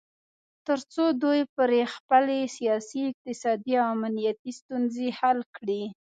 تر څو دوی پرې خپلې سیاسي، اقتصادي او امنیتي ستونځې حل کړي